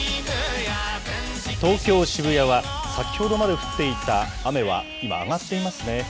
東京・渋谷は、先ほどまで降っていた雨は今、上がっていますね。